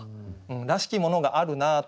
らしきものがあるなという。